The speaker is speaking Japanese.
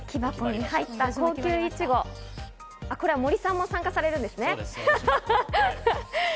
桐箱に入った高級いちご、これは森さんも参加されるんですね。